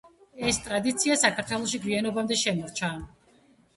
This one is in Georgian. ეს ტრადიცია საქართველოში გვიანობამდე შემორჩა.